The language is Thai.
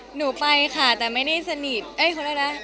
หนูไปค่ะแต่ไม่ได้สนิท